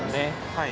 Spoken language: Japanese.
はい。